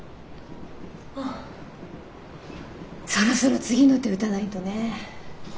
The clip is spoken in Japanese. そろそろ次の手打たないとね。